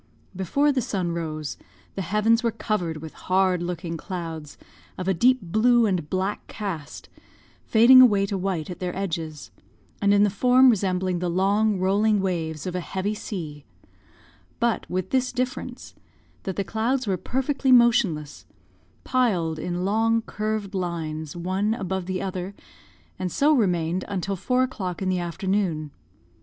Before the sun rose, the heavens were covered with hard looking clouds, of a deep blue and black cast, fading away to white at their edges, and in the form resembling the long, rolling waves of a heavy sea but with this difference, that the clouds were perfectly motionless, piled in long curved lines, one above the other, and so remained until four o'clock in the afternoon.